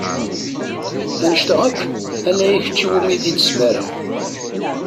Annect-a akk ala i kečč iwumi i t-id-smareɣ.